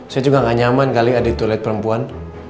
saya juga gak nyaman kali ada toilet perempuan